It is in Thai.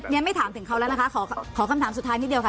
ไม่ถามถึงเขาแล้วนะคะขอคำถามสุดท้ายนิดเดียวค่ะ